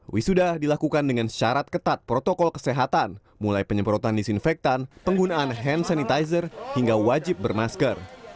wisuda dilakukan dengan syarat ketat protokol kesehatan mulai penyemprotan disinfektan penggunaan hand sanitizer hingga wajib bermasker